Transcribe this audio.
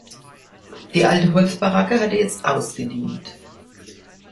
Die alte Holzbaracke hatte jetzt ausgedient.